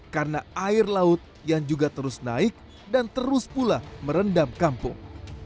karena air laut yang juga terus naik dan terus pula merendam kampung